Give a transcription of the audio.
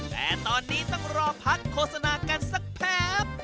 แต่ตอนนี้ต้องรอพักโฆษณากันสักแพบ